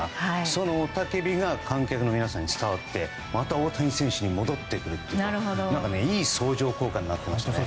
その雄たけびが観客の皆さんに伝わってまた大谷選手に戻ってくるというかいい相乗効果になっていましたね。